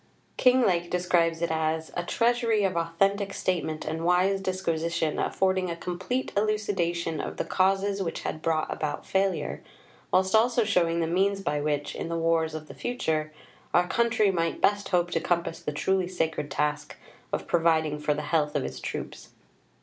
Kinglake describes it as "a treasury of authentic statement and wise disquisition, affording a complete elucidation of the causes which had brought about failure, whilst also showing the means by which, in the wars of the future, our country might best hope to compass the truly sacred task of providing for the health of its troops."